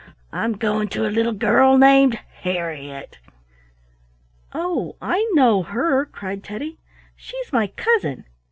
I'm going to a little girl named Harriett." "Oh, I know her!" cried Teddy. "She's my cousin.